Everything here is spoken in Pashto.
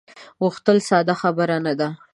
غوښتل ساده خبره نه ده.